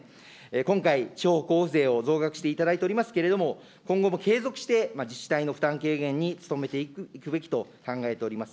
今回、地方交付税を増額していただいておりますけれども、今後も継続して自治体の負担軽減に努めていくべきと考えております。